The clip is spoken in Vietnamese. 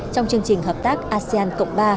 trong chương trình hợp tác asean cộng ba